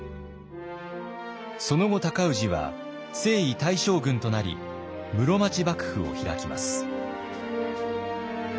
その後尊氏は征夷大将軍となり室町幕府を開きます。